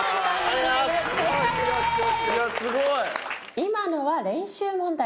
今のは練習問題です。